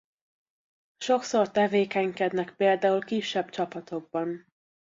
Sokszor tevékenykednek például kisebb csapatokban.